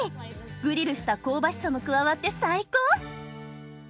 グリルした香ばしさも加わって最高！